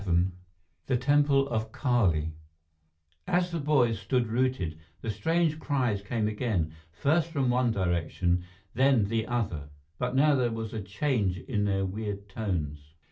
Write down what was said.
VII The Temple of Kali As the boys stood rooted, the strange cries came again; first from one direction, then the other. But now there was a change in their weird tones.